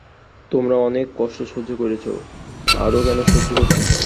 তোমরা অনেক কষ্ট সহ্য করেছ আরও কেন সহ্য করতে চাও?